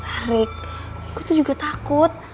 arik gue tuh juga takut